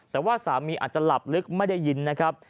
แต่ว่าสามีอาจจะหลับลึกไม่ได้ยินนะครับ